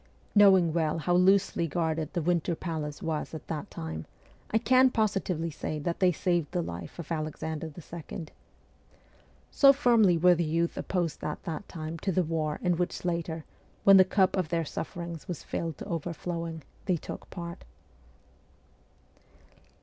Knowing well how loosely guarded the Winter Palace was at that time, I can positively say that they saved the life of Alexander II. So firmly were the youth opposed at that time to the war in which later, when the cup of their sufferings was filled to overflowing, they took part.